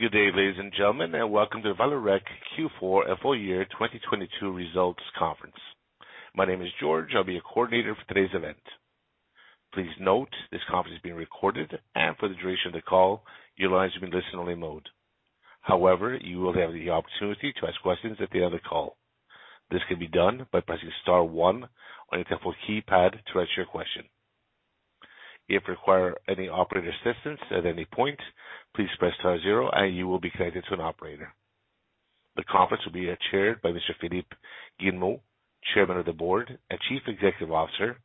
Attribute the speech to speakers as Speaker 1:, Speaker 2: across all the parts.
Speaker 1: Good day, ladies and gentlemen, welcome to Vallourec Q4 FY year 2022 results conference. My name is George. I'll be your coordinator for today's event. Please note, this conference is being recorded, and for the duration of the call, your lines will be in listen-only mode. However, you will have the opportunity to ask questions at the end of the call. This can be done by pressing star one on your telephone keypad to ask your question. If you require any operator assistance at any point, please press star zero, and you will be connected to an operator. The conference will be chaired by Mr. Philippe Guillemot, Chairman of the Board and Chief Executive Officer,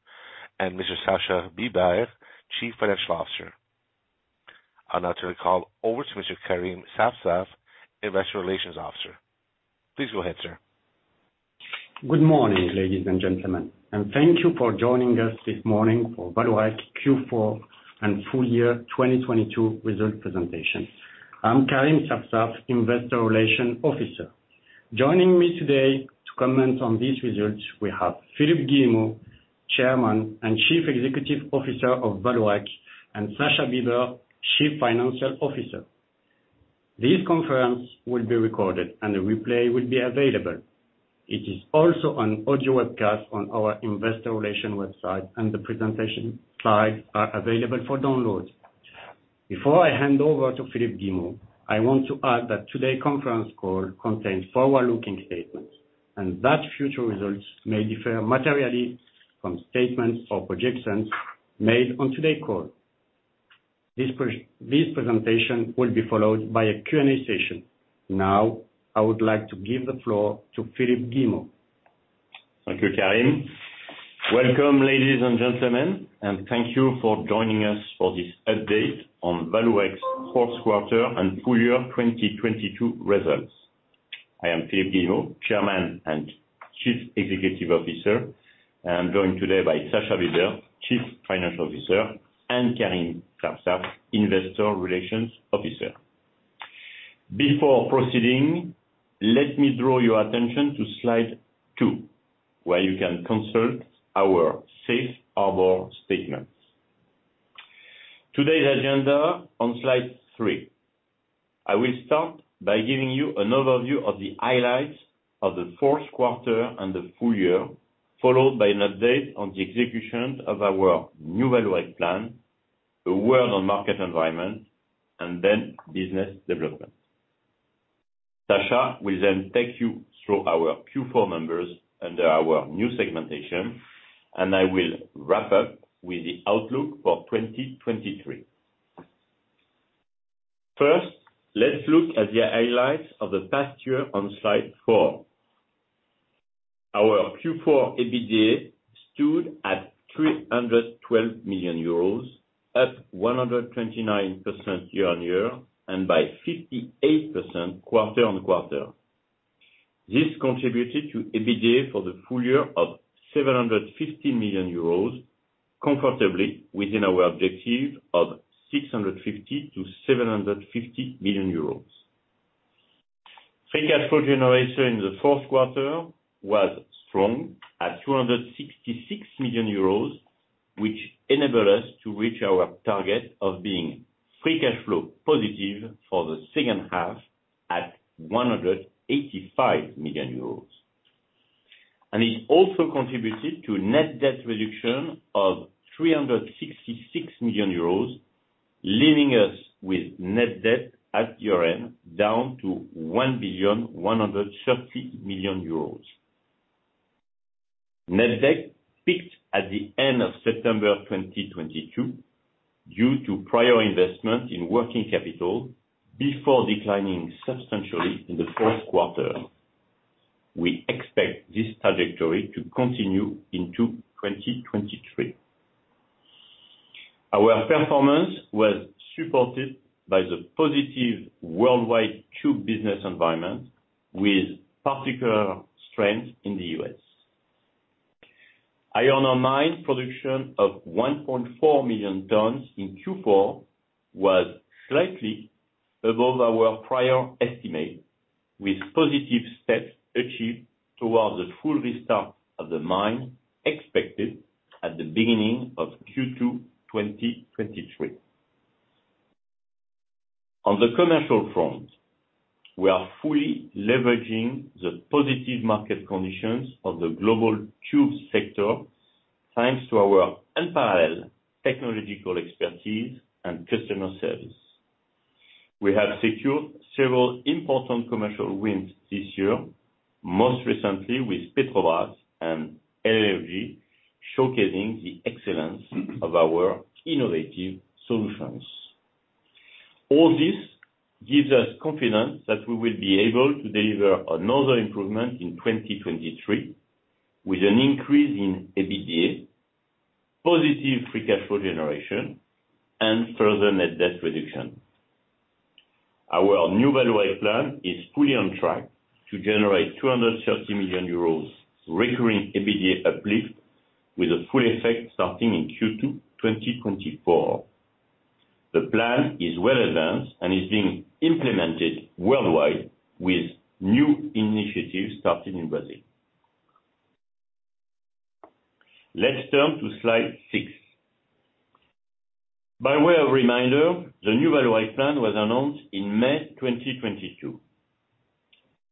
Speaker 1: and Mr. Sascha Bibert, Chief Financial Officer. I'll now turn the call over to Mr. Karim Safsaf, Investor Relations Officer. Please go ahead, sir.
Speaker 2: Good morning, ladies and gentlemen. Thank you for joining us this morning for Vallourec Q4 and full year 2022 result presentation. I'm Karim Safsaf, Investor Relations Officer. Joining me today to comment on these results, we have Philippe Guillemot, Chairman and Chief Executive Officer of Vallourec, and Sascha Bibert, Chief Financial Officer. This conference will be recorded. The replay will be available. It is also on audio webcast on our investor relations website. The presentation slides are available for download. Before I hand over to Philippe Guillemot, I want to add that today conference call contains forward-looking statements. Future results may differ materially from statements or projections made on today call. This presentation will be followed by a Q&A session. Now I would like to give the floor to Philippe Guillemot.
Speaker 3: Thank you, Karim. Welcome, ladies and gentlemen, thank you for joining us for this update on Vallourec's fourth quarter and full year 2022 results. I am Philippe Guillemot, Chairman and Chief Executive Officer. I'm joined today by Sascha Bibert, Chief Financial Officer, and Karim Safsaf, Investor Relations Officer. Before proceeding, let me draw your attention to slide 2, where you can consult our safe harbor statements. Today's agenda on slide 3. I will start by giving you an overview of the highlights of the fourth quarter and the full year, followed by an update on the execution of our New Vallourec plan, the world and market environment, business development. Sacha will then take you through our Q4 numbers under our new segmentation, I will wrap up with the outlook for 2023. First, let's look at the highlights of the past year on slide 4. Our Q4 EBITDA stood at 312 million euros, up 129% year-on-year, and by 58% quarter-on-quarter. This contributed to EBITDA for the full year of 750 million euros, comfortably within our objective of 650 million-750 million euros. Free cash flow generation in the fourth quarter was strong at 266 million euros, which enable us to reach our target of being free cash flow positive for the second half at 185 million euros. It also contributed to net debt reduction of 366 million euros, leaving us with net debt at year-end down to 1,130 million euros. Net debt peaked at the end of September 2022 due to prior investment in working capital before declining substantially in the fourth quarter. We expect this trajectory to continue into 2023. Our performance was supported by the positive worldwide tube business environment with particular strength in the U.S. Iron Ore mine production of 1.4 million tons in Q4 was slightly above our prior estimate, with positive steps achieved towards the full restart of the mine expected at the beginning of Q2 2023. On the commercial front, we are fully leveraging the positive market conditions of the global tubes sector, thanks to our unparalleled technological expertise and customer service. We have secured several important commercial wins this year, most recently with Petrobras and Air Liquide, showcasing the excellence of our innovative solutions. All this gives us confidence that we will be able to deliver another improvement in 2023 with an increase in EBITDA, positive free cash flow generation, and further net debt reduction. Our New Vallourec plan is fully on track to generate 230 million euros recurring EBITDA uplift with a full effect starting in Q2 2024. The plan is well advanced and is being implemented worldwide with new initiatives starting in Brazil. Let's turn to slide six. By way of reminder, the New Vallourec plan was announced in May 2022.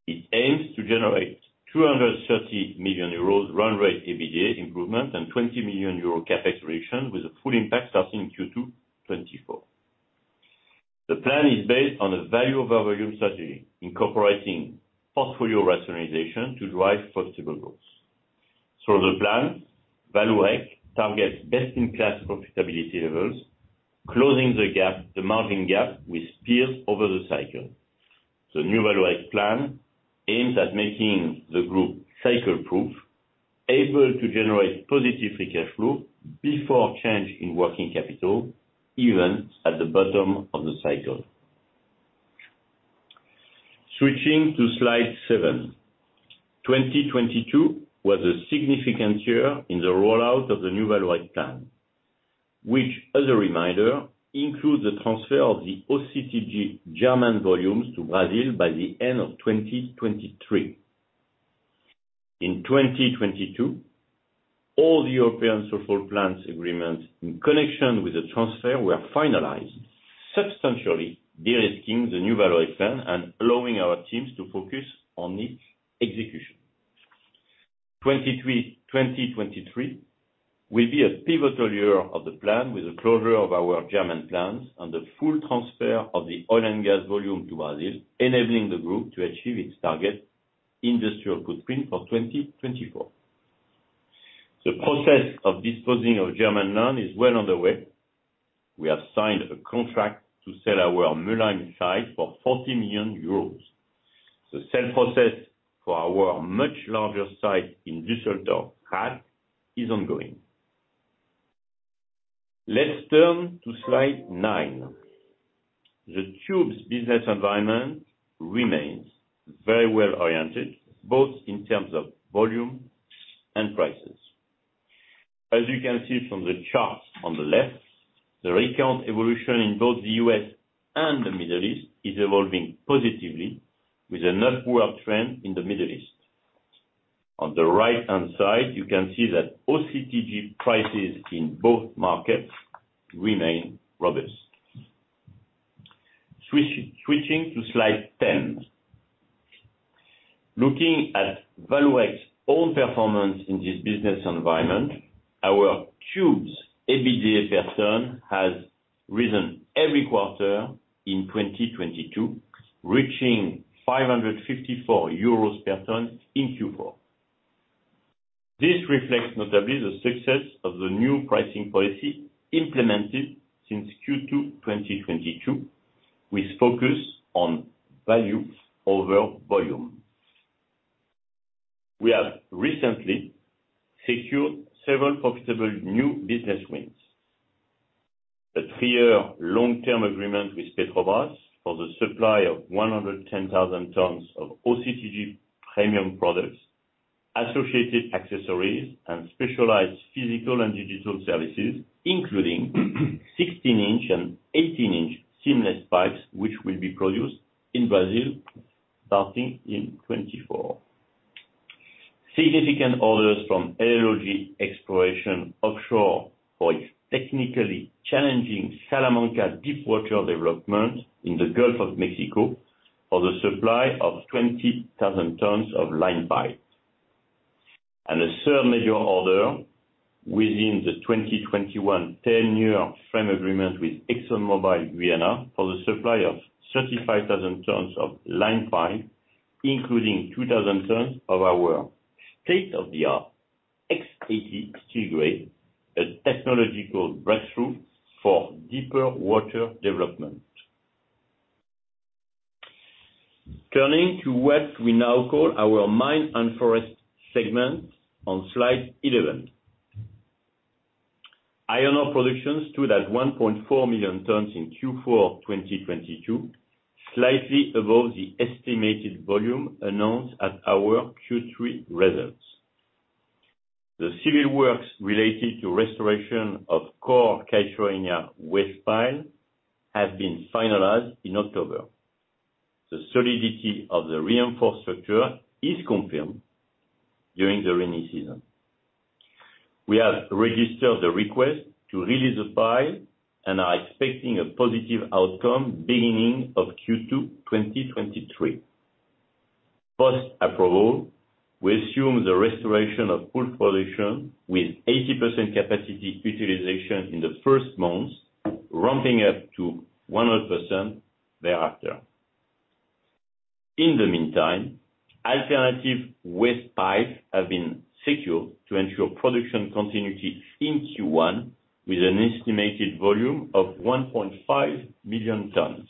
Speaker 3: It aims to generate 230 million euros run rate EBITDA improvement and 20 million euro CapEx reduction with a full impact starting Q2 2024. The plan is based on the Value over Volume strategy, incorporating portfolio rationalization to drive profitable growth. Through the plan, Vallourec targets best in class profitability levels, closing the margin gap with peers over the cycle. The New Vallourec plan aims at making the group cycle proof, able to generate positive free cash flow before change in working capital, even at the bottom of the cycle. Switching to slide 7. 2022 was a significant year in the rollout of the New Vallourec plan, which as a reminder, includes the transfer of the OCTG German volumes to Brazil by the end of 2023. In 2022, all the European social plans agreements in connection with the transfer were finalized, substantially de-risking the New Vallourec plan and allowing our teams to focus on its execution. 2023 will be a pivotal year of the plan with the closure of our German plants and the full transfer of the oil and gas volume to Brazil, enabling the group to achieve its target industrial footprint for 2024. The process of disposing of German land is well underway. We have signed a contract to sell our Mülheim site for 40 million euros. The sale process for our much larger site in Düsseldorf, Rath, is ongoing. Let's turn to slide 9. The tubes business environment remains very well oriented, both in terms of volume and prices. As you can see from the chart on the left, the recount evolution in both the U.S., and the Middle East is evolving positively with a net upward trend in the Middle East. On the right-hand side, you can see that OCTG prices in both markets remain robust. Switching to slide 10. Looking at Vallourec's own performance in this business environment, our tubes EBITDA per ton has risen every quarter in 2022, reaching 554 euros per ton in Q4. This reflects notably the success of the new pricing policy implemented since Q2 2022, with focus on Value over Volume. We have recently secured several profitable new business wins. A 3-year long-term agreement with Petrobras for the supply of 110,000 tons of OCTG premium products, associated accessories and specialized physical and digital services, including 16-inch and 18-inch seamless pipes, which will be produced in Brazil starting in 2024. Significant orders from APA Exploration Offshore for its technically challenging Salamanca deep water development in the Gulf of Mexico for the supply of 20,000 tons of line pipe. A third major order within the 2021 10-year frame agreement with ExxonMobil Guyana for the supply of 35,000 tons of line pipe, including 2,000 tons of our state-of-the-art X80 steel grade, a technological breakthrough for deeper water development. Turning to what we now call our Mine & Forest segment on slide 11. Iron ore production stood at 1.4 million tons in Q4 2022, slightly above the estimated volume announced at our Q3 results. The civil works related to restoration of core Caiuá waste pile has been finalized in October. The solidity of the reinforced structure is confirmed during the rainy season. We have registered the request to release the pile and are expecting a positive outcome beginning of Q2 2023. Post-approval, we assume the restoration of full production with 80% capacity utilization in the first months, ramping up to 100% thereafter. In the meantime, alternative waste pipes have been secured to ensure production continuity in Q1 with an estimated volume of 1.5 million tons.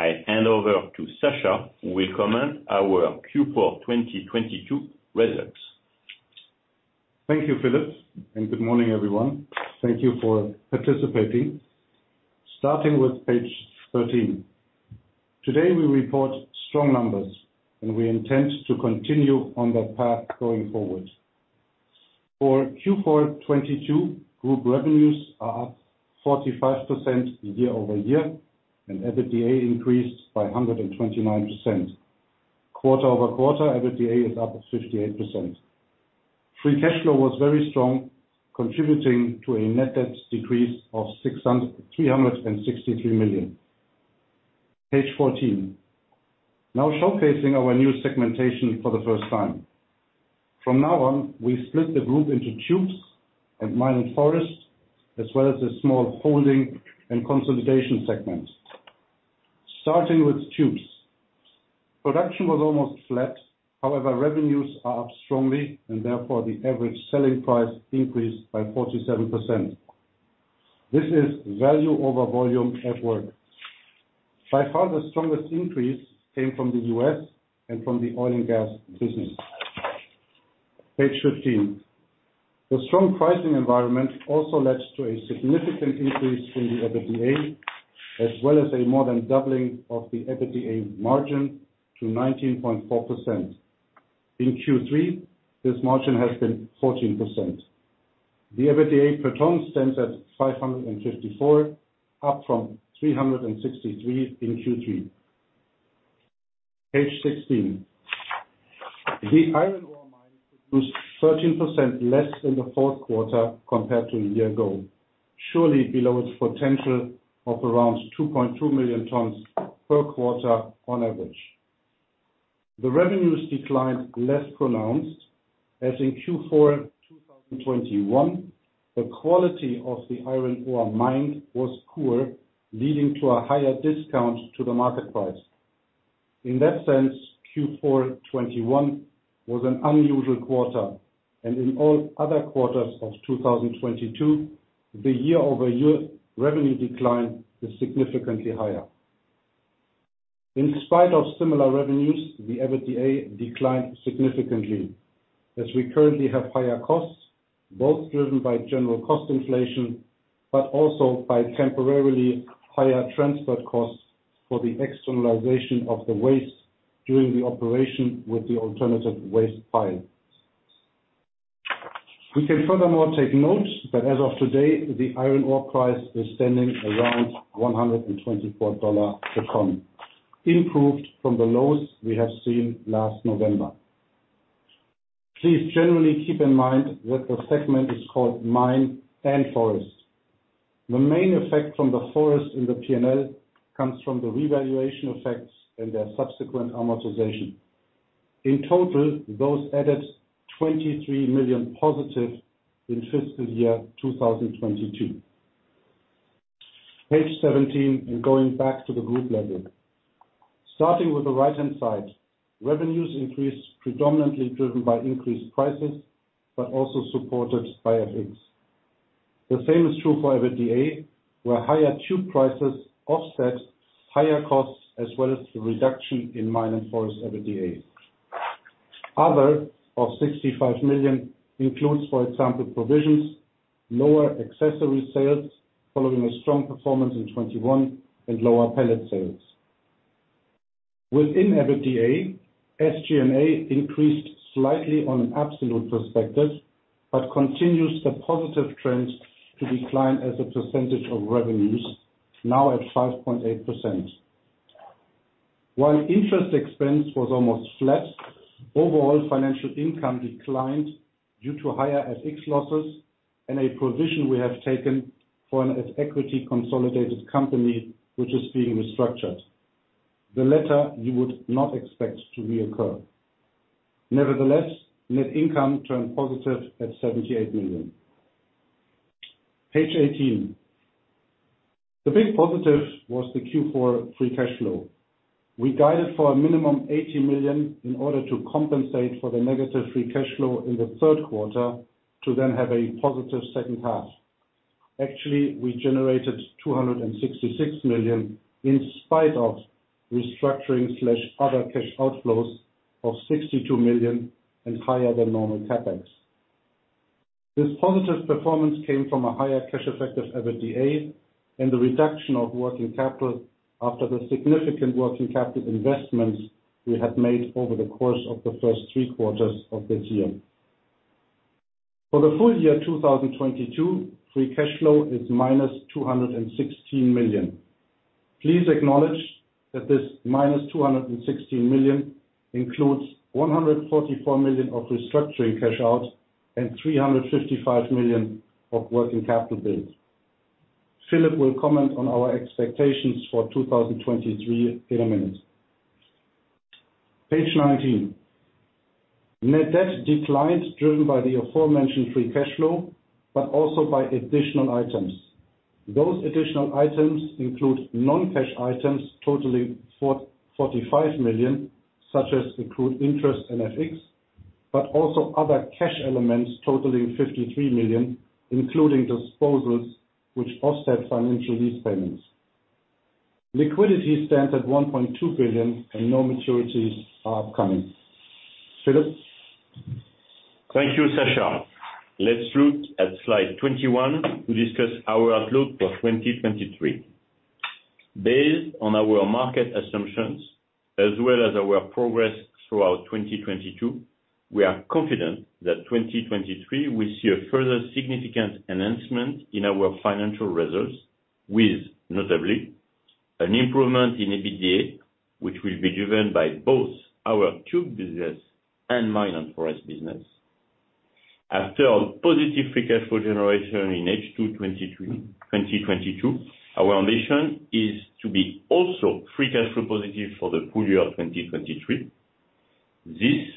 Speaker 3: I hand over to Sascha, who will comment our Q4 2022 results.
Speaker 4: Thank you, Philippe. Good morning, everyone. Thank you for participating. Starting with page 13. Today, we report strong numbers, and we intend to continue on that path going forward. For Q4 2022, group revenues are up 45% year-over-year, and EBITDA increased by 129%. Quarter-over-quarter, EBITDA is up 58%. Free cashflow was very strong, contributing to a net debt decrease of 363 million. Page 14. Showcasing our new segmentation for the first time. From now on, we split the group into tubes and Mine & Forest, as well as the small holding and consolidation segment. Starting with tubes. Production was almost flat. Revenues are up strongly, and therefore, the average selling price increased by 47%. This is Value over Volume at work. By far, the strongest increase came from the U.S., and from the oil and gas business. Page 15. The strong pricing environment also led to a significant increase in the EBITDA, as well as a more than doubling of the EBITDA margin to 19.4%. In Q3, this margin has been 14%. The EBITDA per ton stands at 554, up from 363 in Q3. Page 16. The iron ore mine produced 13% less in the fourth quarter compared to a year ago, surely below its potential of around 2.2 million tons per quarter on average. The revenues declined less pronounced, as in Q4 2021, the quality of the iron ore mined was poorer, leading to a higher discount to the market price. In that sense, Q4 2021 was an unusual quarter, and in all other quarters of 2022, the year-over-year revenue decline is significantly higher. In spite of similar revenues, the EBITDA declined significantly, as we currently have higher costs, both driven by general cost inflation, but also by temporarily higher transport costs for the externalization of the waste during the operation with the alternative waste pile. We can furthermore take note that as of today, the iron ore price is standing around $124 a ton, improved from the lows we have seen last November. Please generally keep in mind that the segment is called Mine & Forest. The main effect from the forests in the P&L comes from the revaluation effects and their subsequent amortization. In total, those added 23 million positive in fiscal year 2022. Page 17, going back to the group level. Starting with the right-hand side, revenues increased predominantly driven by increased prices, but also supported by FX. The same is true for EBITDA, where higher tube prices offset higher costs, as well as the reduction in Mine & Forest EBITDA. Other, of 65 million, includes, for example, provisions, lower accessory sales following a strong performance in 2021, and lower pellet sales. Within EBITDA, SG&A increased slightly on an absolute perspective, but continues the positive trend to decline as a percentage of revenues, now at 5.8%. While interest expense was almost flat, overall financial income declined due to higher FX losses and a provision we have taken for an equity consolidated company which is being restructured. The latter you would not expect to reoccur. Nevertheless, net income turned positive at 78 million. Page 18. The big positive was the Q4 free cash flow. We guided for a minimum 80 million in order to compensate for the negative free cash flow in the third quarter, to then have a positive second half. Actually, we generated 266 million in spite of restructuring/other cash outflows of 62 million and higher than normal CapEx. This positive performance came from a higher cash effective EBITDA and the reduction of working capital after the significant working capital investments we had made over the course of the first three quarters of this year. For the full year 2022, free cash flow is minus 216 million. Please acknowledge that this minus 216 million includes 144 million of restructuring cash out and 355 million of working capital base. Philippe will comment on our expectations for 2023 in a minute. Page 19. Net debt declined, driven by the aforementioned free cashflow, but also by additional items. Those additional items include non-cash items totaling 45 million, such as accrued interest and FX, but also other cash elements totaling 53 million, including disposals which offset financial lease payments. Liquidity stands at 1.2 billion and no maturities are upcoming. Philippe?
Speaker 3: Thank you, Sacha. Let's look at slide 21 to discuss our outlook for 2023. Based on our market assumptions as well as our progress throughout 2022, we are confident that 2023 will see a further significant enhancement in our financial results with notably an improvement in EBITDA, which will be driven by both our tube business and Mine & Forest business. After our positive free cash flow generation in H2 2022, our ambition is to be also free cash flow positive for the full year of 2023. This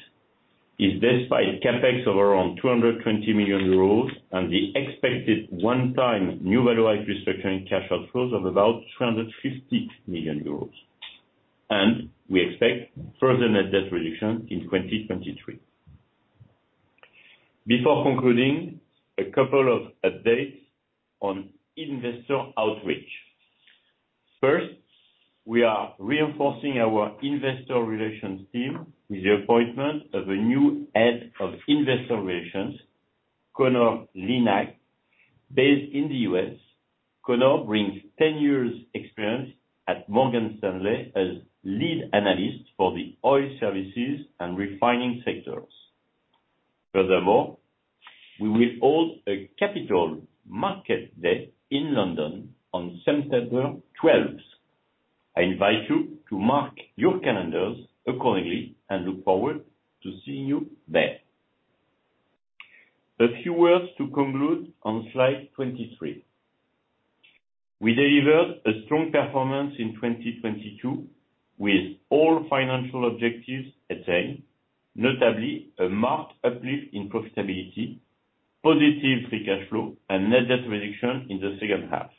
Speaker 3: is despite CapEx of around 220 million euros and the expected one time new value at risk return cash outflows of about 250 million euros. We expect further net debt reduction in 2023. Before concluding, a couple of updates on investor outreach. We are reinforcing our investor relations team with the appointment of a new Head of Investor Relations, Connor Lynagh, based in the U.S. Connor brings 10 years experience at Morgan Stanley as lead analyst for the oil services and refining sectors. We will hold a capital market day in London on September 12th. I invite you to mark your calendars accordingly and look forward to seeing you there. A few words to conclude on slide 23. We delivered a strong performance in 2022, with all financial objectives attained, notably a marked uplift in profitability, positive free cash flow and net debt reduction in the second half.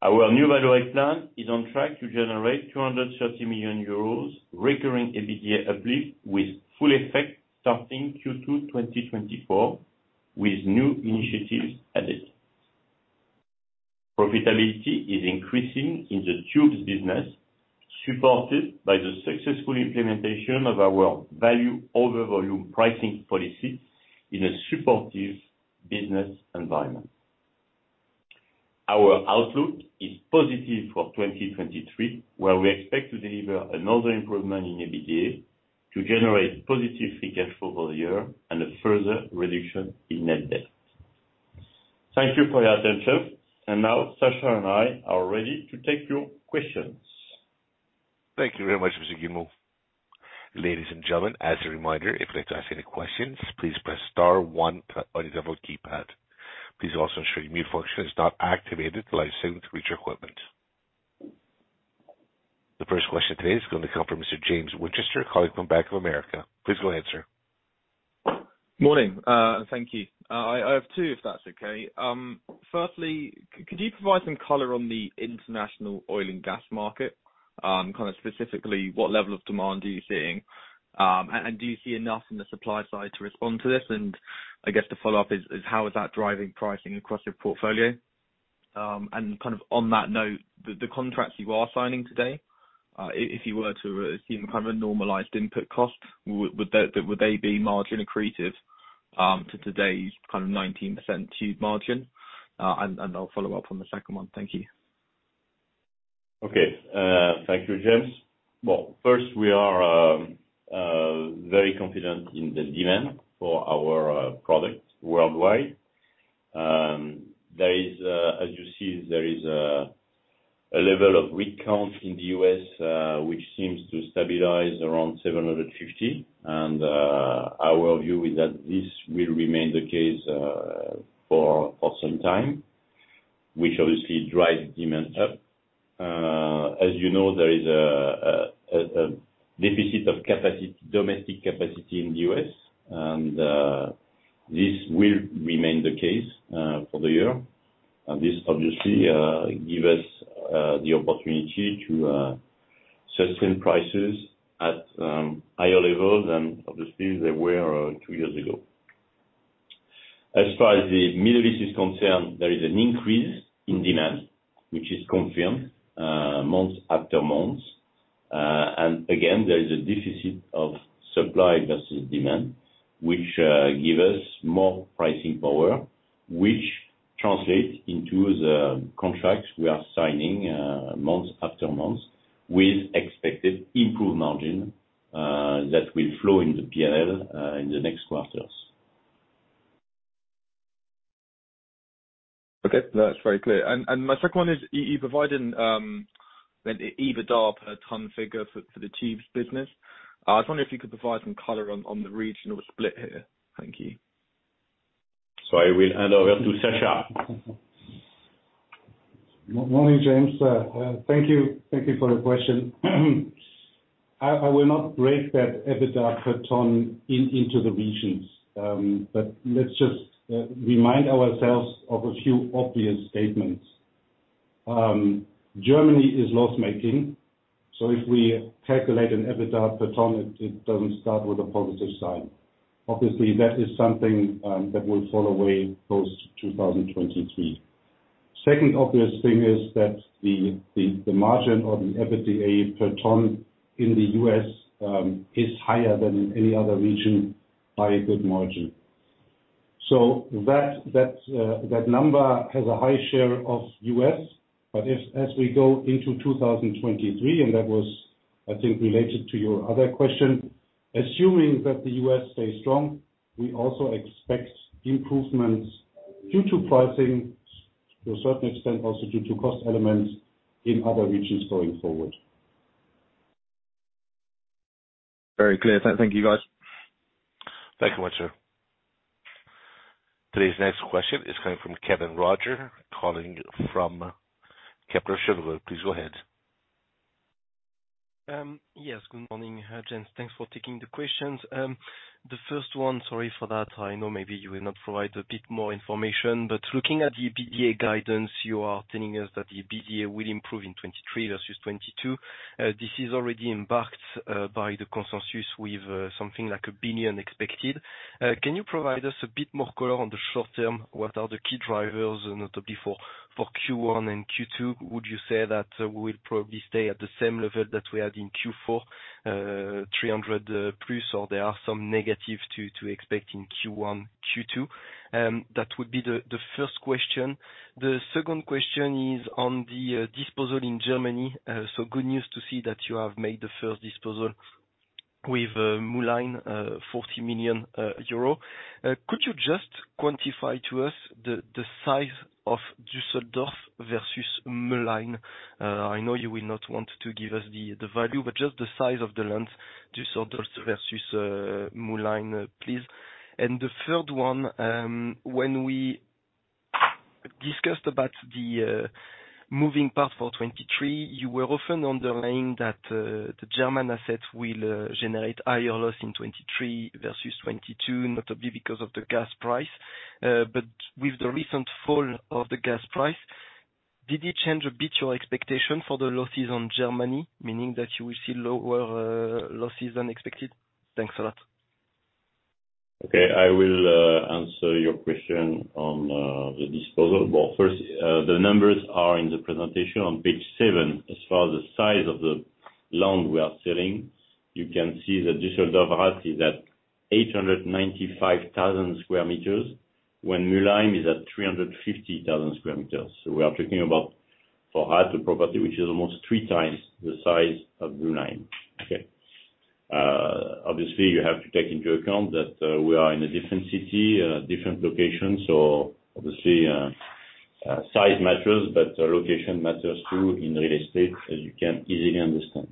Speaker 3: Our new value add plan is on track to generate 230 million euros recurring EBITDA uplift with full effect starting Q2 2024, with new initiatives added. Profitability is increasing in the tubes business, supported by the successful implementation of our Value over Volume pricing policy in a supportive business environment. Our outlook is positive for 2023, where we expect to deliver another improvement in EBITDA to generate positive free cash flow all year and a further reduction in net debt. Thank you for your attention. Now Sacha and I are ready to take your questions.
Speaker 1: Thank you very much, Mr. Guillemot. Ladies and gentlemen, as a reminder, if you'd like to ask any questions, please press star one on your telephone keypad. Please also ensure your mute function is not activated until I signal to reach your equipment. The first question today is going to come from Mr. James Winchester calling from Bank of America. Please go ahead, sir.
Speaker 5: Morning, thank you. I have two, if that's okay. Firstly, could you provide some color on the international oil and gas market? Kind of specifically, what level of demand are you seeing? Do you see enough in the supply side to respond to this? I guess the follow-up is how is that driving pricing across your portfolio? Kind of on that note, the contracts you are signing today, if you were to assume kind of a normalized input cost, would they be margin accretive to today's kind of 19% tube margin? I'll follow up on the second one. Thank you.
Speaker 3: Okay. Thank you, James. Well, first, we are very confident in the demand for our products worldwide. There is, as you see, there is a level of rig count in the U.S., which seems to stabilize around 750. Our view is that this will remain the case for quite some time, which obviously drives demand up. As you know, there is a deficit of domestic capacity in the U.S., and this will remain the case for the year. This obviously give us the opportunity to set certain prices at higher levels than obviously they were 2 years ago. As far as the Middle East is concerned, there is an increase in demand which is confirmed month after month. Again, there is a deficit of supply versus demand, which give us more pricing power, which translates into the contracts we are signing month after month with expected improved margin that will flow in the P&L in the next quarters.
Speaker 5: Okay. That's very clear. My second one is you provided an EBITDA per ton figure for the tubes business. I was wondering if you could provide some color on the regional split here. Thank you.
Speaker 3: I will hand over to Sascha.
Speaker 4: Morning, James. Thank you. Thank you for the question. I will not break that EBITDA per ton into the regions. Let's just remind ourselves of a few obvious statements. Germany is loss-making, so if we calculate an EBITDA per ton, it doesn't start with a positive sign. Obviously, that is something that will fall away post 2023. Second obvious thing is that the margin on the EBITDA per ton in the U.S., is higher than in any other region by a good margin.
Speaker 3: That number has a high share of U.S. As we go into 2023, and that was, I think, related to your other question, assuming that the U.S. stays strong, we also expect improvements due to pricing to a certain extent, also due to cost elements in other regions going forward.
Speaker 1: Very clear. Thank you guys. Thank you much, sir. Today's next question is coming from Kevin Roger, calling from Kepler Cheuvreux. Please go ahead.
Speaker 6: Yes, good morning, gents. Thanks for taking the questions. The first one, sorry for that. I know maybe you will not provide a bit more information, but looking at the EBITDA guidance, you are telling us that the EBITDA will improve in 2023 versus 2022. This is already embarked by the consensus with something like 1 billion expected. Can you provide us a bit more color on the short term? What are the key drivers and notably for Q1 and Q2? Would you say that we'll probably stay at the same level that we had in Q4, 300+, or there are some negative to expect in Q1, Q2? That would be the first question. The second question is on the disposal in Germany. Good news to see that you have made the first disposal with Mülheim, 40 million euro. Could you just quantify to us the size of Düsseldorf versus Mülheim? I know you will not want to give us the value, but just the size of the land, Düsseldorf versus Mülheim, please. The third one, when we discussed about the moving path for 2023, you were often underlying that the German assets will generate higher loss in 2023 versus 2022, notably because of the gas price. With the recent fall of the gas price, did you change a bit your expectation for the losses on Germany, meaning that you will see lower losses than expected? Thanks a lot.
Speaker 3: Okay. I will answer your question on the disposal. Well, first, the numbers are in the presentation on page 7. As far as the size of the land we are selling, you can see that Düsseldorf Rath is at 895,000 square meters, when Mülheim is at 350,000 square meters. We are talking about for us a property which is almost 3 times the size of Mülheim. Okay. Obviously you have to take into account that we are in a different city, different location. Obviously, size matters, but location matters too in real estate, as you can easily understand.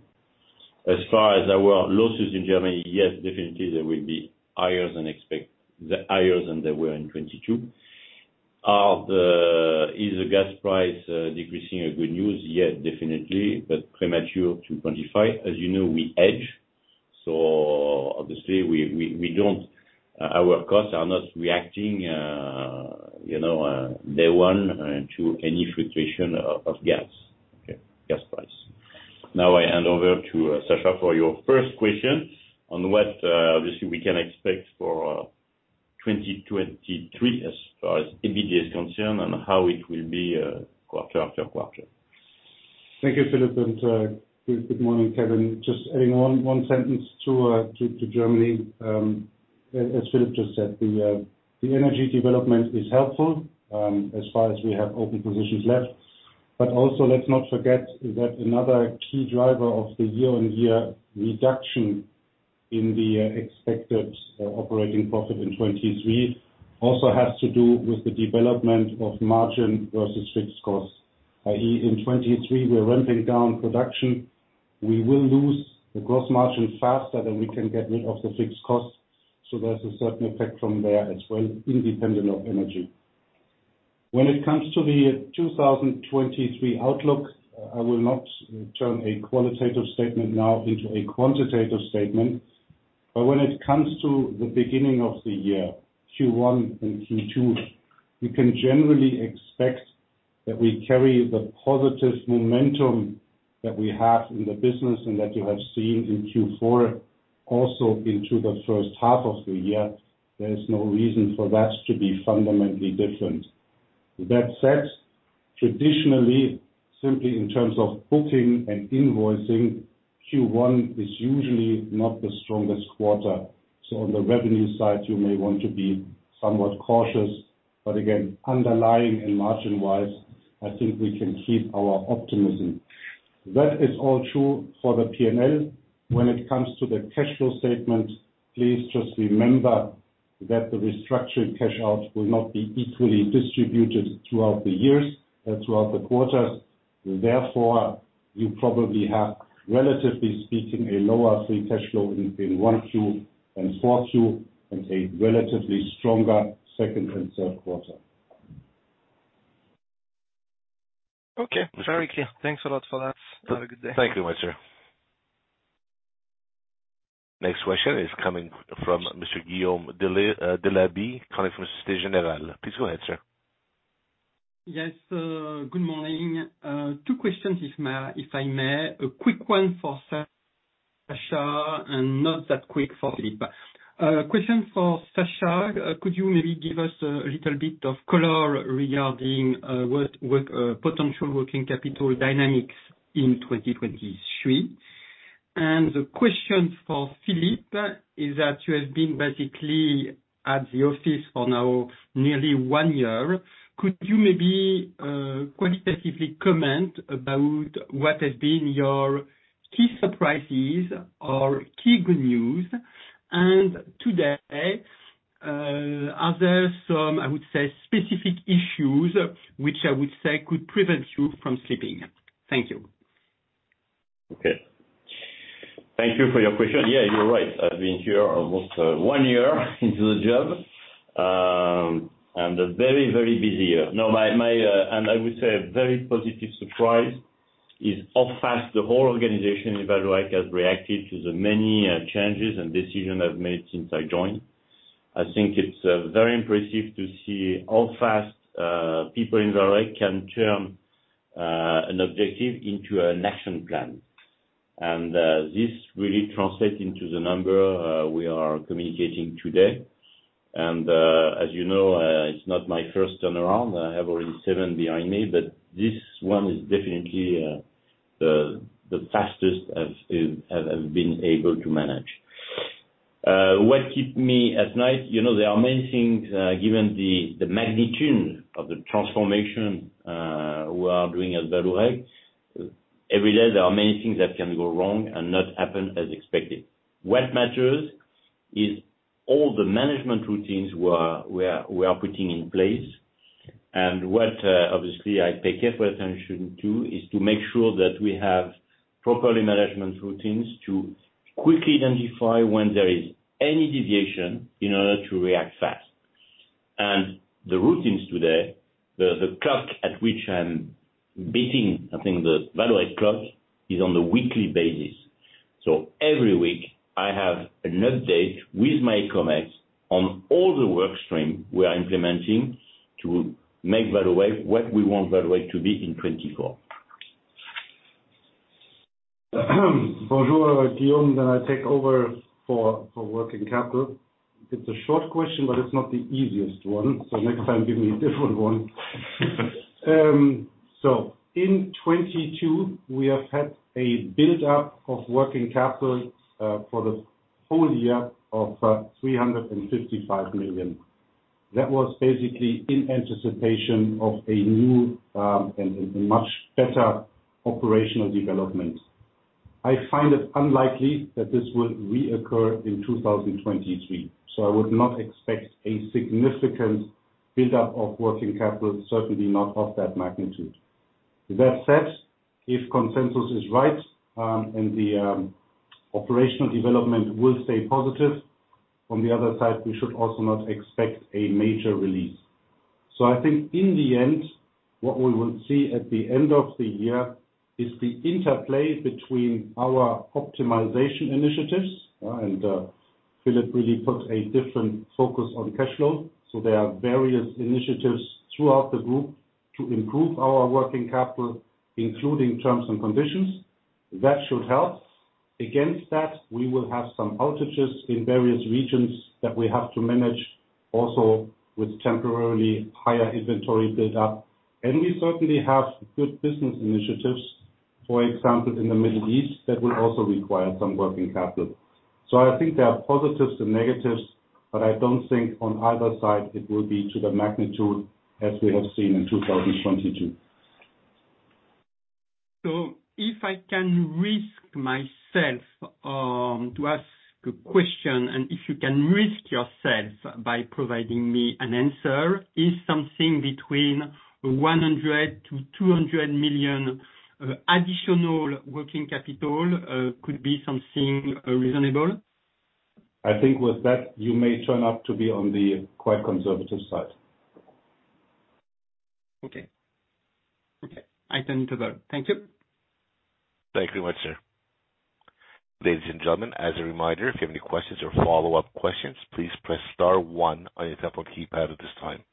Speaker 3: As far as our losses in Germany, yes, definitely they will be higher than they were in 2022. Is the gas price decreasing a good news? Yes, definitely, but premature to quantify. As you know, we edge. Obviously our costs are not reacting, you know, day 1 to any fluctuation of gas, okay, gas price. I hand over to Sascha for your first question on what obviously we can expect for 2023 as far as EBITDA is concerned and how it will be quarter after quarter.
Speaker 4: Thank you, Philippe. Good morning, Kevin. Just adding one sentence to Germany. As Philippe just said, the energy development is helpful as far as we have open positions left. Also, let's not forget that another key driver of the year-over-year reduction in the expected operating profit in 2023 also has to do with the development of margin versus fixed costs. i.e., in 2023, we're ramping down production. We will lose the gross margin faster than we can get rid of the fixed costs. There's a certain effect from there as well, independent of energy. When it comes to the 2023 outlook, I will not turn a qualitative statement now into a quantitative statement. When it comes to the beginning of the year, Q1 and Q2, you can generally expect that we carry the positive momentum that we have in the business and that you have seen in Q4 also into the first half of the year. There is no reason for that to be fundamentally different. With that said, traditionally, simply in terms of booking and invoicing, Q1 is usually not the strongest quarter. On the revenue side, you may want to be somewhat cautious. Again, underlying and margin wise, I think we can keep our optimism. That is all true for the P&L. When it comes to the cash flow statement, please just remember that the restructured cash outs will not be equally distributed throughout the years and throughout the quarters. You probably have, relatively speaking, a lower free cash flow in one Q and four Q, and a relatively stronger second and third quarter.
Speaker 6: Okay. Very clear. Thanks a lot for that. Have a good day.
Speaker 1: Thank you much, sir. Next question is coming from Mr. Guillaume Delaby, calling from Société Générale. Please go ahead, sir.
Speaker 7: Yes. Good morning. Two questions if I may. A quick one for Sascha and not that quick for Philippe. Question for Sascha. Could you maybe give us a little bit of color regarding potential working capital dynamics in 2023? The question for Philippe is that you have been basically at the office for now nearly 1 year. Could you maybe qualitatively comment about what has been your key surprises or key good news and today, are there some, I would say specific issues which I would say could prevent you from sleeping? Thank you.
Speaker 3: Okay. Thank you for your question. Yeah, you're right. I've been here almost one year into the job. A very, very busy year. No, my, I would say a very positive surprise is how fast the whole organization in Vallourec has reacted to the many changes and decisions I've made since I joined. I think it's very impressive to see how fast people in Vallourec can turn an objective into an action plan. This really translates into the number we are communicating today. As you know, it's not my first turnaround. I have already seven behind me, but this one is definitely the fastest I've been able to manage. What keeps me at night, you know, there are many things, given the magnitude of the transformation we are doing at Vallourec. Every day there are many things that can go wrong and not happen as expected. What matters is all the management routines we are putting in place. What, obviously, I pay careful attention to is to make sure that we have proper management routines to quickly identify when there is any deviation in order to react fast. The routines today, the clock at which I'm beating, I think the Vallourec clock, is on a weekly basis. Every week I have an update with my ComEx on all the work stream we are implementing to make Vallourec what we want Vallourec to be in 2024.
Speaker 4: Bonjour, Guillaume. I take over for working capital. It's a short question. It's not the easiest one. Next time give me a different one. In 2022 we have had a build up of working capital for the full year of 355 million. That was basically in anticipation of a new and much better operational development. I find it unlikely that this will reoccur in 2023. I would not expect a significant build up of working capital, certainly not of that magnitude. That said, if consensus is right, and the operational development will stay positive, on the other side we should also not expect a major release. I think in the end, what we will see at the end of the year is the interplay between our optimization initiatives and Philippe really put a different focus on cash flow. There are various initiatives throughout the group to improve our working capital, including terms and conditions. That should help. Against that, we will have some outages in various regions that we have to manage also with temporarily higher inventory build up. We certainly have good business initiatives, for example, in the Middle East, that will also require some working capital. I think there are positives and negatives, but I don't think on either side it will be to the magnitude as we have seen in 2022.
Speaker 7: If I can risk myself, to ask a question, and if you can risk yourself by providing me an answer, is something between 100 million-200 million additional working capital, could be something reasonable?
Speaker 4: I think with that you may turn out to be on the quite conservative side.
Speaker 7: Okay. Okay. I turn to there. Thank you.
Speaker 1: Thank you very much, sir. Ladies and gentlemen, as a reminder, if you have any questions or follow-up questions, please press star one on your telephone keypad at this time.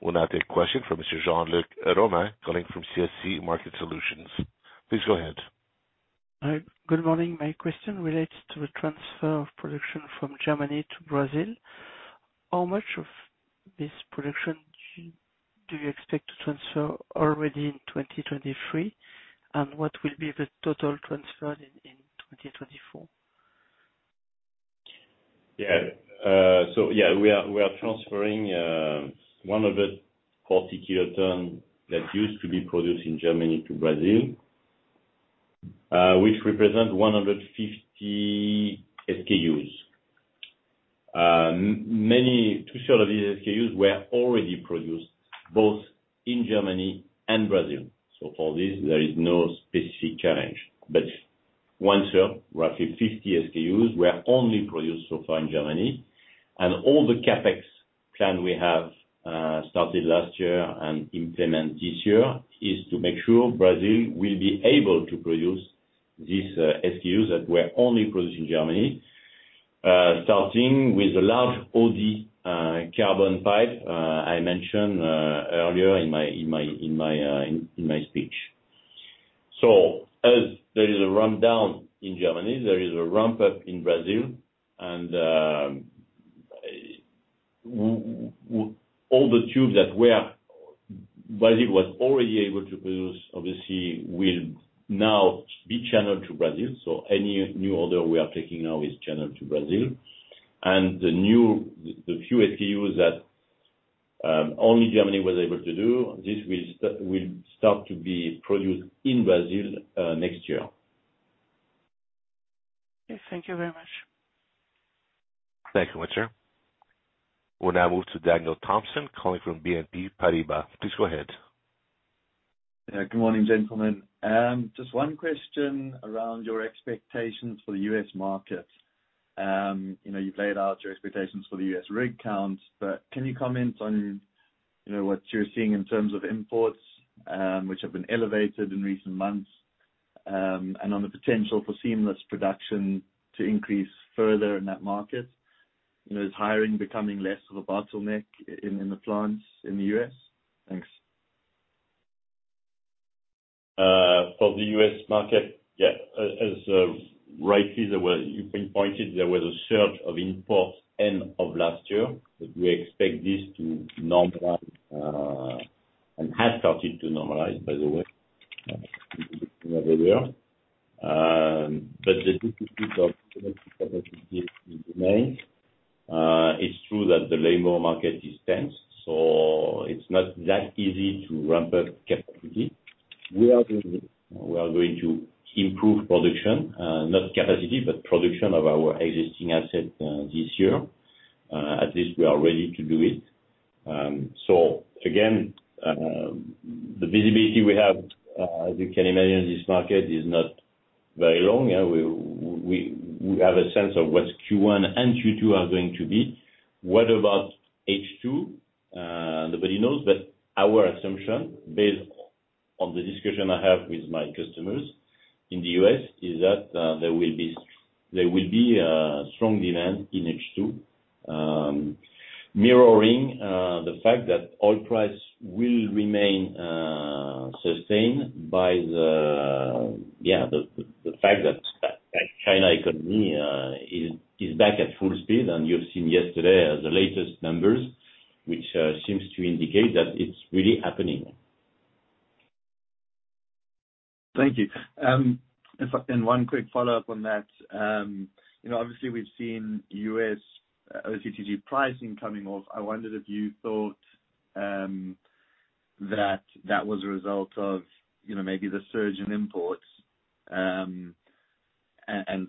Speaker 1: We'll now take question from Monsieur Jean-Luc Romain calling from CIC Market Solutions. Please go ahead.
Speaker 8: Hi. Good morning. My question relates to the transfer of production from Germany to Brazil. How much of this production do you expect to transfer already in 2023? What will be the total transfer in 2024?
Speaker 3: Yeah. Yeah, we are, we are transferring, 140 kiloton that used to be produced in Germany to Brazil, which represent 150 SKUs. Two-third of these SKUs were already produced both in Germany and Brazil. For this there is no specific challenge. But one third, roughly 50 SKUs, were only produced so far in Germany. All the CapEx plan we have, started last year and implement this year is to make sure Brazil will be able to produce these SKUs that were only produced in Germany, starting with the large OD, carbon pipe, I mentioned earlier in my speech. As there is a rundown in Germany, there is a ramp up in Brazil, and all the tubes that Brazil was already able to produce, obviously will now be channeled to Brazil. Any new order we are taking now is channeled to Brazil. The few SKUs that only Germany was able to do, this will start to be produced in Brazil next year.
Speaker 8: Okay. Thank you very much.
Speaker 1: Thank you, Monsieur. We'll now move to Daniel Thomson calling from BNP Paribas. Please go ahead.
Speaker 9: Good morning, gentlemen. Just 1 question around your expectations for the U.S., market. You know, you've laid out your expectations for the U.S., rig count, but can you comment on, you know, what you're seeing in terms of imports, which have been elevated in recent months, and on the potential for seamless production to increase further in that market? You know, is hiring becoming less of a bottleneck in the plants in the U.S? Thanks.
Speaker 3: For the U.S. market, as you pinpointed, there was a surge of imports end of last year. We expect this to normalize and has started to normalize by the way, the difficulty of connecting capacity is remains. It's true that the labor market is tense, it's not that easy to ramp up capacity. We are going to improve production, not capacity, but production of our existing asset this year. At least we are ready to do it. Again, the visibility we have, as you can imagine, in this market is not very long. We have a sense of what Q1 and Q2 are going to be. What about H2? Nobody knows. Our assumption, based on the discussion I have with my customers in the U.S., is that there will be a strong demand in H2, mirroring the fact that oil price will remain sustained by the fact that China economy is back at full speed. You've seen yesterday the latest numbers, which seems to indicate that it's really happening.
Speaker 9: Thank you. In fact, one quick follow-up on that. You know, obviously we've seen U.S., OCTG pricing coming off. I wondered if you thought that that was a result of, you know, maybe the surge in imports, and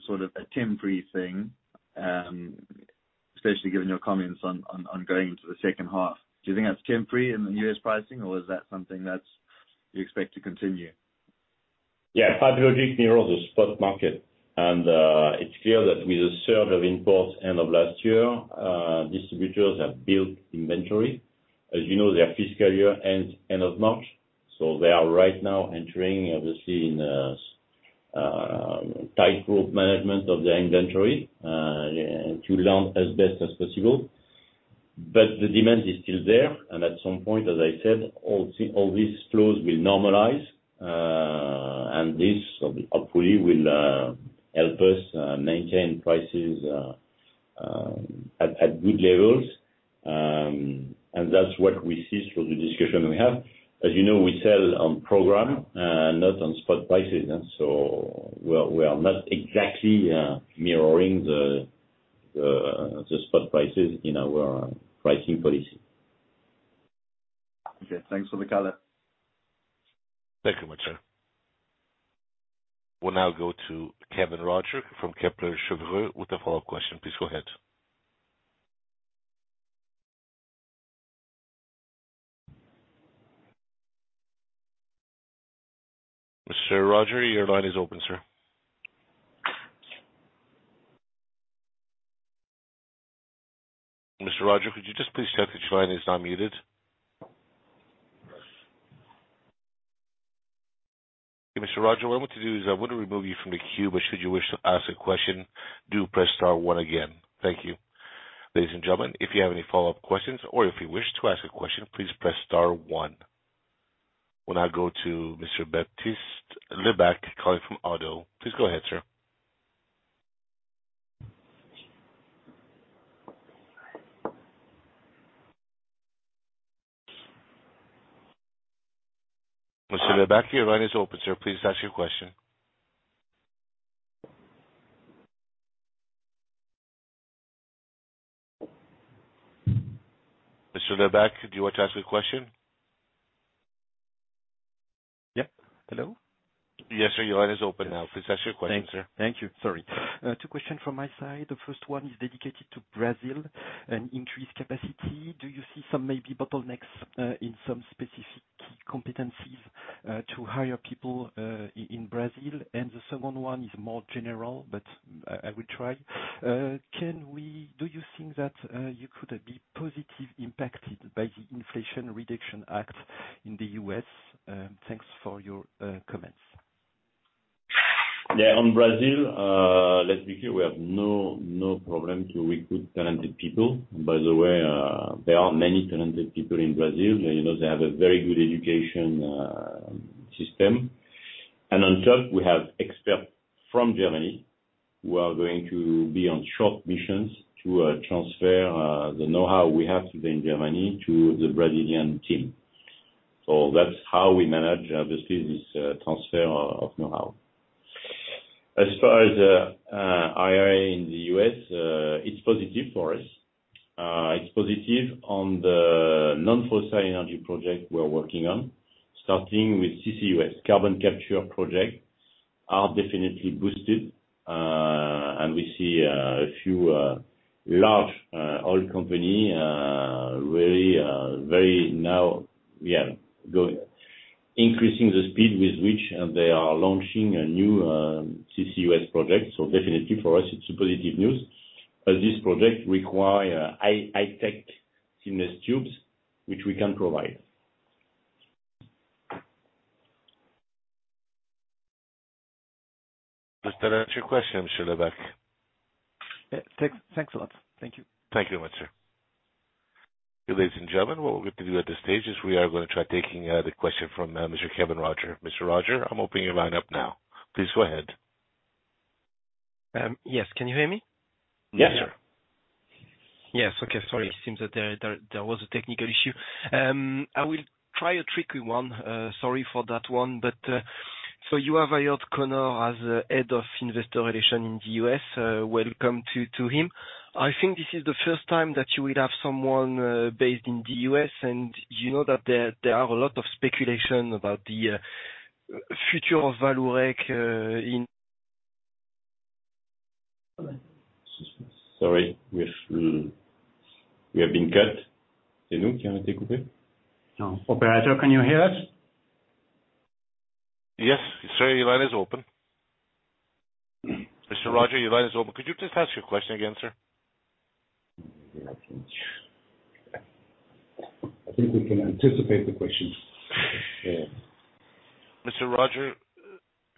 Speaker 9: sort of a temporary thing, especially given your comments on going into the second half. Do you think that's temporary in the U.S., pricing, or is that something that's you expect to continue?
Speaker 3: Yeah. Price logic mirrors the spot market. It's clear that with the surge of imports end of last year, distributors have built inventory. As you know, their fiscal year ends end of March, they are right now entering, obviously, in a tight rope management of their inventory to learn as best as possible. The demand is still there, and at some point, as I said, all these flows will normalize. This hopefully will help us maintain prices at good levels. That's what we see through the discussion we have. As you know, we sell on program and not on spot prices. We are not exactly mirroring the spot prices in our pricing policy.
Speaker 9: Okay. Thanks for the color.
Speaker 1: Thank you, Monsieur. We'll now go to Kevin Roger from Kepler Cheuvreux with a follow-up question. Please go ahead. Monsieur Roger, your line is open, sir. Monsieur Roger, could you just please check that your line is not muted?
Speaker 10: Yes.
Speaker 1: Hey, Monsieur Roger, what I'm going to do is I'm going to remove you from the queue, but should you wish to ask a question, do press star 1 again. Thank you. Ladies and gentlemen, if you have any follow-up questions or if you wish to ask a question, please press star 1. We'll now go to Monsieur Baptiste Lebacq calling from ODDO BHF. Please go ahead, sir. Monsieur Lebacq, your line is open, sir. Please ask your question. Monsieur Lebacq, do you want to ask your question?
Speaker 10: Yeah, hello?
Speaker 1: Yes, sir. Your line is open now. Please ask your question, sir.
Speaker 10: Thank you. Sorry. 2 question from my side. The first one is dedicated to Brazil and increased capacity. Do you see some maybe bottlenecks in some specific key competencies to hire people in Brazil? The second one is more general, but I will try. Do you think that you could be positive impacted by the Inflation Reduction Act in the U.S? Thanks for your comments.
Speaker 3: On Brazil, let's be clear, we have no problem to recruit talented people. By the way, there are many talented people in Brazil. You know, they have a very good education system. On top we have expert from Germany, who are going to be on short missions to transfer the know-how we have today in Germany to the Brazilian team. That's how we manage this business transfer of know-how. As far as IRA in the U.S., it's positive for us. It's positive on the non-fossil energy project we're working on. Starting with CCUS carbon capture project are definitely boosted, and we see a few large oil company very very now increasing the speed with which they are launching a new CCUS project. Definitely for us it's a positive news, as this project require high-tech seamless tubes which we can provide.
Speaker 1: Does that answer your question, Mr. Lebacq? Yeah. Thanks a lot. Thank you. Thank you very much, sir. Ladies and gentlemen, what we're going to do at this stage is we are gonna try taking the question from Mr. Kevin Roger. Mr. Roger, I'm opening your line up now. Please go ahead.
Speaker 6: yes. Can you hear me?
Speaker 1: Yes, sir.
Speaker 6: Yes. Okay. Sorry. It seems that there was a technical issue. I will try a tricky one. Sorry for that one. You have hired Connor as Head of Investor Relations in the U.S. Welcome to him. I think this is the first time that you will have someone based in the U.S. You know that there are a lot of speculation about the future of Vallourec.
Speaker 3: Sorry, we have been cut.
Speaker 1: No. Operator, can you hear us? Yes. Sir, your line is open. Mr. Roger, your line is open. Could you please ask your question again, sir?
Speaker 3: I think we can anticipate the question.
Speaker 1: Mr. Roger,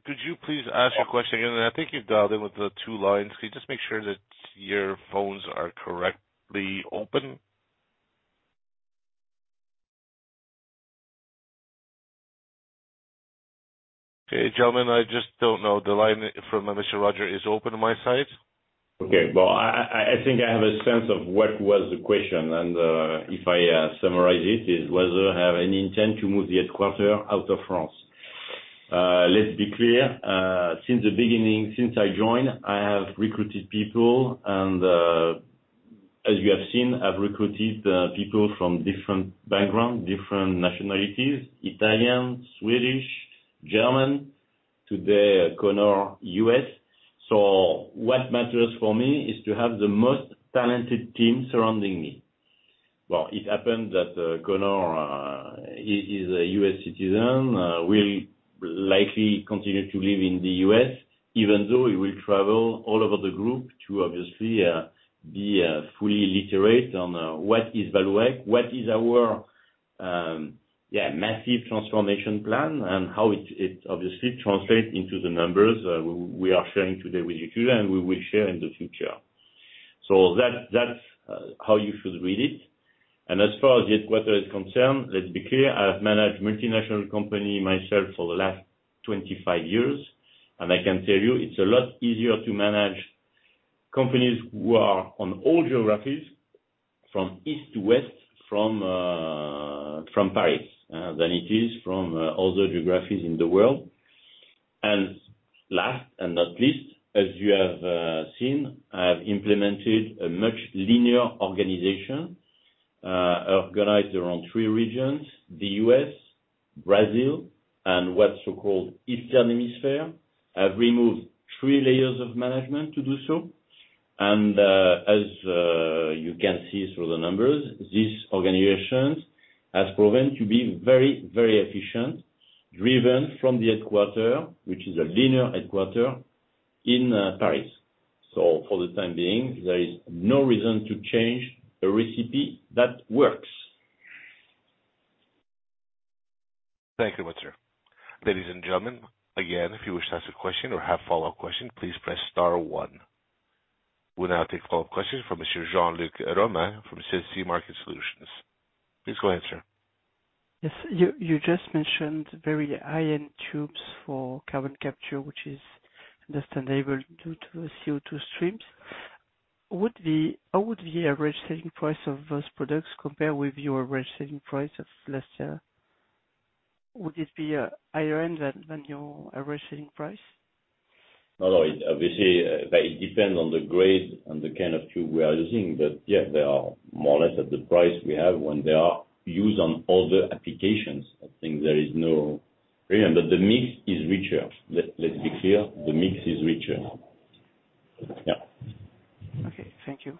Speaker 1: could you please ask your question again? I think you've dialed in with the two lines. Can you just make sure that your phones are correctly open? Okay, gentlemen, I just don't know. The line from Mr. Roger is open my side.
Speaker 3: Okay. Well, I think I have a sense of what was the question, and if I summarize it's whether I have any intent to move the headquarters out of France. Let's be clear, since the beginning, since I joined, I have recruited people, and as you have seen, I've recruited people from different background, different nationalities, Italian, Swedish, German, today, Connor, U.S. What matters for me is to have the most talented team surrounding me. Well, it happened that Connor, he is a U.S. citizen, will likely continue to live in the U.S. even though he will travel all over the group to obviously, be fully literate on what is Vallourec, what is our, yeah, massive transformation plan and how it obviously translate into the numbers, we are sharing today with you today, and we will share in the future. That's how you should read it. As far as headquarter is concerned, let's be clear, I have managed multinational company myself for the last 25 years, and I can tell you it's a lot easier to manage companies who are on all geographies from east to west, from Paris, than it is from other geographies in the world. Last and not least, as you have seen, I have implemented a much linear organization, organized around three regions, the U.S., Brazil, and what's so-called Eastern Hemisphere. I've removed three layers of management to do so. As you can see through the numbers, these organizations has proven to be very, very efficient, driven from the headquarter, which is a linear headquarter in Paris. For the time being, there is no reason to change a recipe that works.
Speaker 1: Thank you very much, sir. Ladies and gentlemen, again, if you wish to ask a question or have follow-up question, please press star one. We'll now take follow-up questions from Monsieur Jean-Luc Romain from CIC Market Solutions. Please go ahead, sir.
Speaker 8: You just mentioned very high-end tubes for carbon capture, which is understandable due to the CO2 streams. How would the average selling price of those products compare with your average selling price of last year? Would it be higher end than your average selling price?
Speaker 3: No, it obviously depends on the grade and the kind of tube we are using. Yeah, they are more or less at the price we have when they are used on other applications. I think there is no reason, the mix is richer. Let's be clear, the mix is richer. Yeah.
Speaker 8: Okay. Thank you.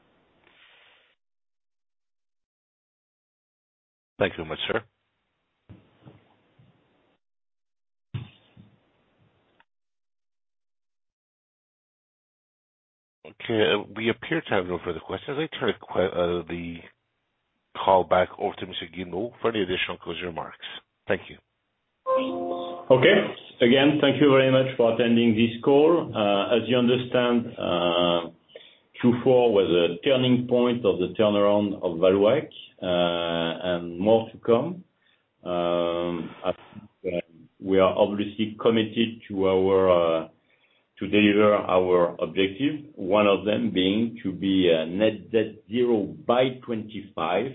Speaker 1: Thank you very much, sir. Okay. We appear to have no further questions. I turn the call back over to Monsieur Guillemot for any additional closing remarks. Thank you.
Speaker 3: Okay. Again, thank you very much for attending this call. As you understand, Q4 was a turning point of the turnaround of Vallourec, and more to come. We are obviously committed to our to deliver our objective, one of them being to be net debt zero by 25.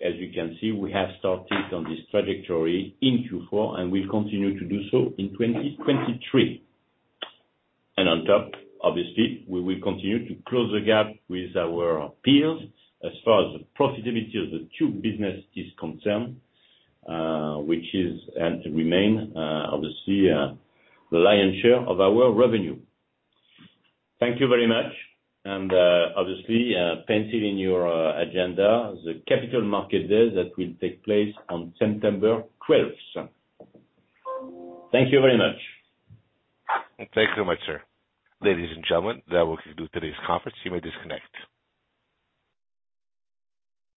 Speaker 3: As you can see, we have started on this trajectory in Q4, and we'll continue to do so in 2023. On top, obviously, we will continue to close the gap with our peers as far as the profitability of the tube business is concerned, which is, and remain, obviously, the lion's share of our revenue. Thank you very much. Obviously, pencil in your agenda, the capital market day that will take place on September twelfth. Thank you very much.
Speaker 1: Thank you very much, sir. Ladies and gentlemen, that will conclude today's conference. You may disconnect.